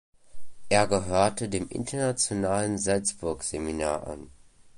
Er gehörte dem internationalen Salzburg Seminar an.